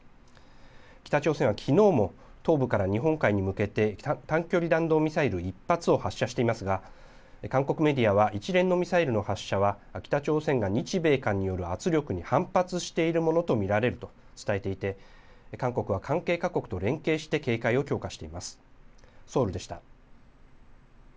北朝鮮はきのうも東部から日本海に向けて短距離弾道ミサイル１発を発射していますが、韓国メディアは一連のミサイルの発射は、北朝鮮が日米韓による圧力に反発しているものと見られると伝えていて、韓国は関係各国と連携して警戒を強化しています。